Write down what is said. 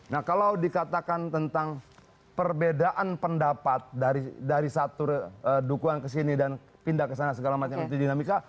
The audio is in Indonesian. nah kalau dikatakan tentang perbedaan pendapat dari satu dukungan kesini dan pindah ke sana segala macam itu dinamika